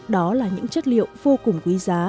đó là những chất liệu vô cùng quý giá